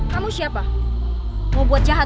kamu siapa mau buat jahat